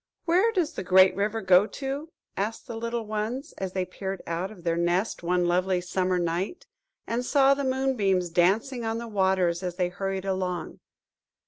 "Where does the great river go to?" asked the little ones, as they peered out of their nest one lovely summer night, and saw the moonbeams dancing on the waters as they hurried along.